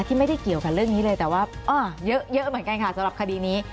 ที่ไม่ได้เกี่ยวกับเรื่องนี้เลยแต่ว่าเยอะเหมือนกันค่ะสำหรับคดีนี้